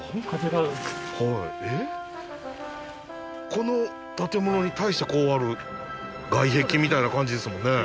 この建物に対してこうある外壁みたいな感じですもんね。